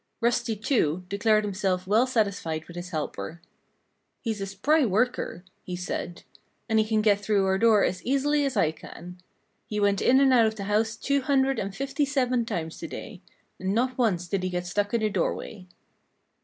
Rusty, too, declared himself well satisfied with his helper. "He's a spry worker," he said. "And he can get through our door as easily as I can. He went in and out of the house two hundred and fifty seven times to day; and not once did he get stuck in the doorway."